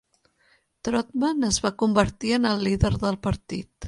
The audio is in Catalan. Trotman es va convertir en el líder del partit.